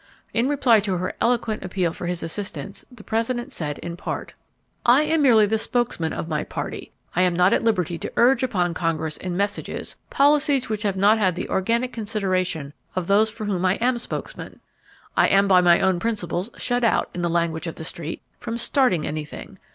In reply to her eloquent appeal for his assistance, the President said in part: "I am merely the spokesman of my party .... I am not at liberty to urge upon Congress in messages, policies which have not had the organic consideration of those for whom I am spokesman. I am by my own principles shut out, in the language of the street, from 'starting anything.